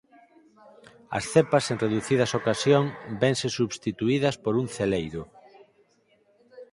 As cepas en reducidas ocasións vense substituídas por un celeiro.